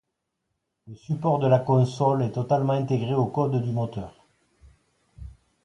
Le support de la console est totalement intégré au code du moteur.